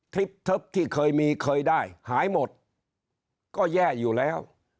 คลิปทึบที่เคยมีเคยได้หายหมดก็แย่อยู่แล้ว